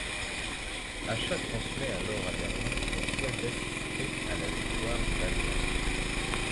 Hácha transmet alors à Berlin son souhait d'assister à la victoire de l'Allemagne.